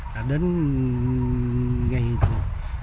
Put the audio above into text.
đã đến ngày hiện tại